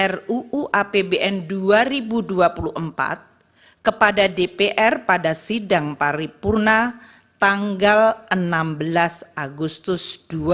ruu apbn dua ribu dua puluh empat kepada dpr pada sidang paripurna tanggal enam belas agustus dua ribu dua puluh